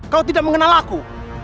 kau tidak mengenal aku